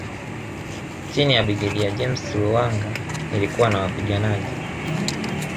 Chini ya Brigedia James Luhanga ilikuwa na wapiganaji